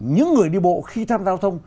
những người đi bộ khi tham giao thông